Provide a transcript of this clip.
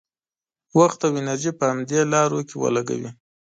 وخت او انرژي په همدې لارو کې ولګوي.